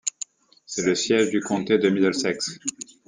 C’est le siège du comté de Middlesex.